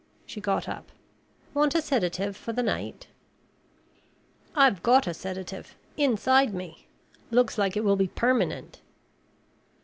She got up. "Want a sedative for the night?" "I've got a sedative inside me. Looks like it will be permanent."